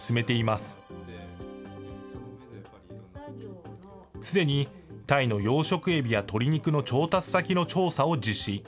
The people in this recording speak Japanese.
すでにタイの養殖エビや鶏肉の調達先の調査を実施。